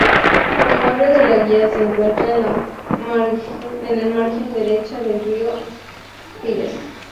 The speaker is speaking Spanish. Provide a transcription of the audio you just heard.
El barrio de La Guía se encuentra en la margen derecha del río Piles.